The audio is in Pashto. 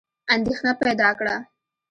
اندېښنه پیدا کړه.